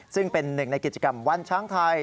ซึ่งเป็นหนึ่งในกิจกรรมวันช้างไทย